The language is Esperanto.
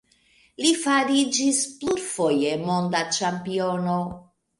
Li fariĝis plurfoje monda ĉampiono.